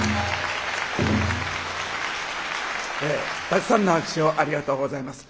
たくさんの拍手をありがとうございます。